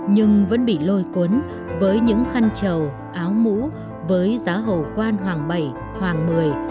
nhưng vẫn bị lôi cuốn với những khăn trầu áo mũ với giá hồ quan hoàng bảy hoàng mười